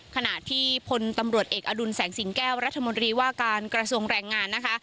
ขณะที่พลตำรวจเอกอดุลแสงสิงแก้วรัฐมนตรีว่าการกระทรวงแรงงานนะคะ